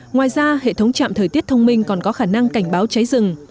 ngoài ra hệ thống trạm thời tiết thông minh còn có khả năng cảnh báo cháy rừng